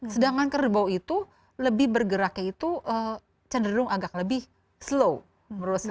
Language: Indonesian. sedangkan kerbau itu lebih bergeraknya itu cenderung agak lebih slow menurut saya